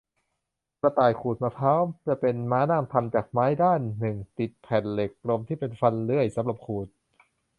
กระต่ายขูดมะพร้าว จะเป็นม้านั่งทำจากไม้ ด้านหนึ่งติดแผ่นเหล็กกลมที่เป็นฟันเลื่อย สำหรับขูด